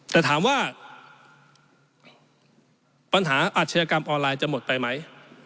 แต่ถามว่าปัญหาอาชญากรรมออนไลน์จะหมดไปไหม